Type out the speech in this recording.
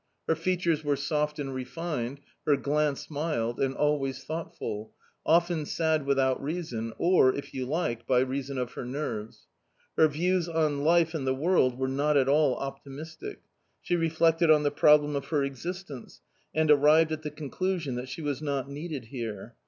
Her features were soft and refined, her glance mild, and always thoughtful, often sad without reason, or, if you like, by reason of her nerves. Her views on life and the world were not at all optimistic ; she reflected on the problem of her existence, and arrived at the conclusion that she was not needed here.